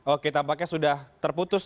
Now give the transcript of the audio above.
oke tampaknya sudah terputus